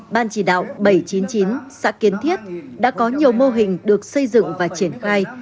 ban chỉ đạo bảy trăm chín mươi chín xã kiến thiết đã có nhiều mô hình được xây dựng và triển khai